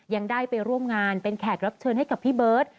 ยังได้ไปร่วมงานเป็นแขกรับเชิญให้กับพี่เบิร์ต